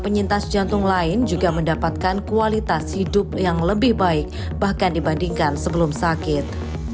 penyintas jantung lain juga mendapatkan kualitas hidup yang lebih baik bahkan dibandingkan sebelum sakit